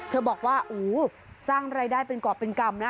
บอกว่าโอ้โหสร้างรายได้เป็นกรอบเป็นกรรมนะ